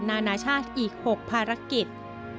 นานาชาติอีก๖ภารกิจ